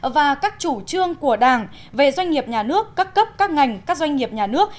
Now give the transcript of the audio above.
và các chủ trương của đảng về doanh nghiệp nhà nước các cấp các ngành các doanh nghiệp nhà nước